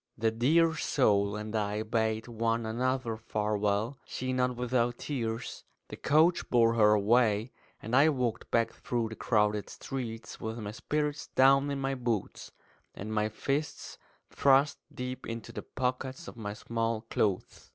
The dear soul and I bade one another farewell, she not without tears. The coach bore her away; and I walked back through the crowded streets with my spirits down in my boots, and my fists thrust deep into the pockets of my small clothes.